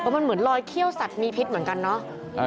มันเหมือนลอยเขี้ยวสัตว์มีพิษเหมือนกันเนาะ